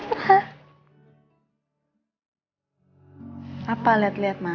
siapa liat liat mas